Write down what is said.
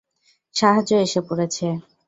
সাহায্য এসে পড়েছে!